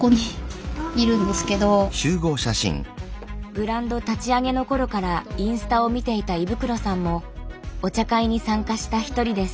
ブランド立ち上げの頃からインスタを見ていた衣袋さんもお茶会に参加した一人です。